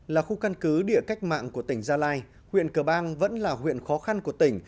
là khu căn cứ địa cách mạng của tỉnh gia lai huyện cờ bang vẫn là huyện khó khăn của tỉnh